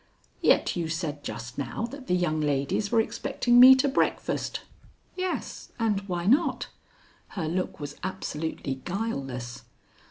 "Yet you said just now that the young ladies were expecting me to breakfast." "Yes, and why not?" Her look was absolutely guileless.